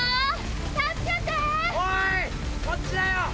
こっちだよ！